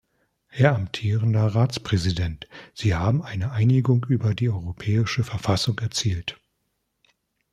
Herr amtierender Ratspräsident, Sie haben eine Einigung über die Europäische Verfassung erzielt.